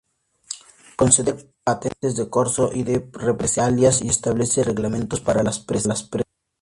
Conceder patentes de corso y de represalias, y establecer reglamentos para las presas".